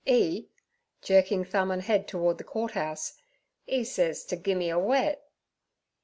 "E' jerking thumb and head toward the Court House, "e sez t' gim me a wet.'